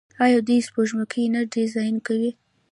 آیا دوی سپوږمکۍ نه ډیزاین کوي؟